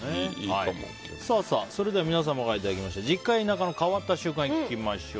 それでは皆様からいただきました実家や田舎の変わった習慣いきましょう。